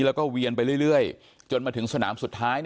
แล้วก็เวียนไปเรื่อยจนมาถึงสนามสุดท้าย